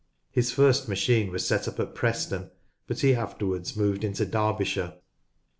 His first machine was set up at Preston, but he afterwards moved into Derbyshire.